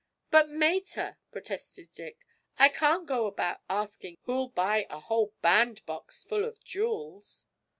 'But, mater,' protested Dick, 'I can't go about asking who'll buy a whole bandbox full of jewels!'